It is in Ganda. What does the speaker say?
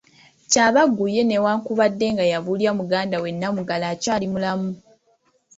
Kyabaggu ye newakubadde nga yabulya muganda we Namugala akyali mulamu.